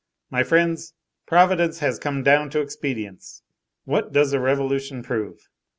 My friends, Providence has come down to expedients. What does a revolution prove?